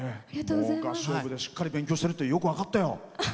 合唱部でしっかり勉強してるってよく分かったよ。